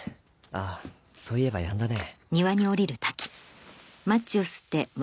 ああそういえばやんだね。